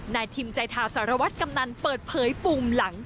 นายทิมใจทาสารวัตรกำนันเปิดเผยปุ่มหลัง